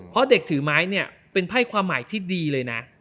เพราะเด็กถือไม้เนี่ยเป็นไพ่ความหมายที่ดีเลยนะ